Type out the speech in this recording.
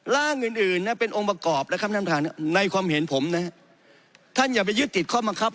ร่างอื่นเป็นองค์ประกอบในความเห็นผมท่านอย่าไปยึดติดข้อมังคับ